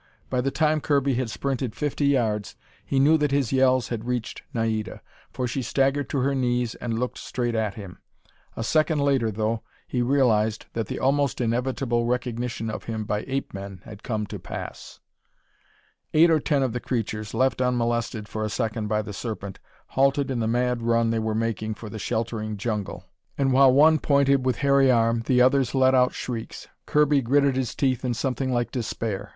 By the time Kirby had sprinted fifty yards, he knew that his yells had reached Naida. For she staggered to her knees and looked straight at him. A second later, though, he realized that the almost inevitable recognition of him by ape men had come to pass. Eight or ten of the creatures, left unmolested for a second by the Serpent, halted in the mad run they were making for the sheltering jungle, and while one pointed with hairy arm, the others let out shrieks. Kirby gritted his teeth in something like despair.